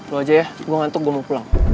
lu aja ya gue ngantuk gue mau pulang